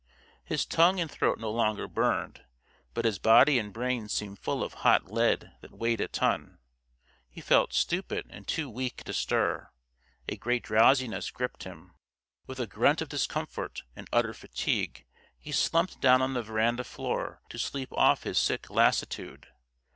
His tongue and throat no longer burned, but his body and brain seemed full of hot lead that weighed a ton. He felt stupid, and too weak to stir. A great drowsiness gripped him. With a grunt of discomfort and utter fatigue, he slumped down on the veranda floor to sleep off his sick lassitude.